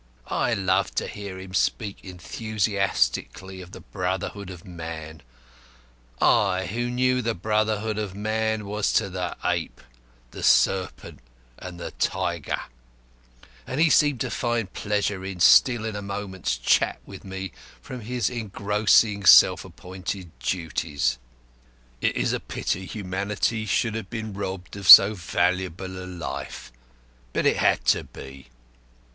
I loved to hear him speak enthusiastically of the Brotherhood of Man I, who knew the brotherhood of man was to the ape, the serpent, and the tiger and he seemed to find a pleasure in stealing a moment's chat with me from his engrossing self appointed duties. It is a pity humanity should have been robbed of so valuable a life. But it had to be.